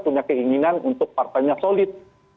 punya keinginan untuk partainya solid